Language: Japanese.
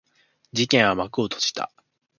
事件は幕を閉じた。